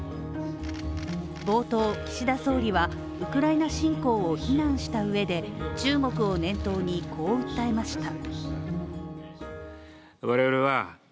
冒頭、岸田総理はウクライナ侵攻を非難したうえで、中国を念頭にこう訴えました。